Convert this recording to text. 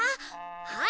はい。